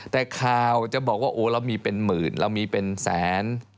แต่ข่าวจะบอกว่าโอ้เรามีเป็นหมื่นเรามีเป็นแสน